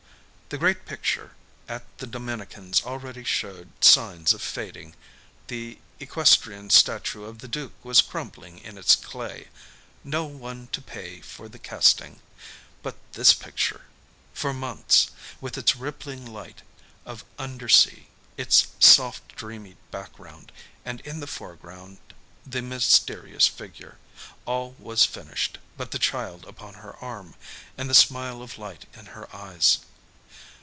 The great picture at the Dominicans already showed signs of fading. The equestrian statue of the Duke was crumbling in its clay no one to pay for the casting. But this picture For months with its rippling light of under sea, its soft dreamy background, and in the foreground the mysterious figure.... All was finished but the Child upon her arm, the smile of light in her eyes.